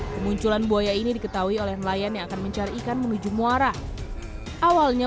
kemunculan buaya ini diketahui oleh nelayan yang akan mencari ikan menuju muara awalnya